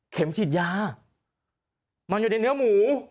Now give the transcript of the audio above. ฉีดยามันอยู่ในเนื้อหมู